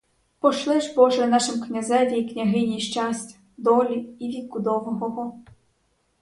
Пошли ж, боже, нашим князеві і княгині щастя, долі і віку довгого.